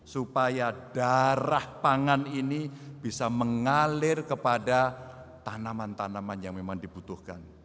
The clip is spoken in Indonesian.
supaya darah pangan ini bisa mengalir kepada tanaman tanaman yang memang dibutuhkan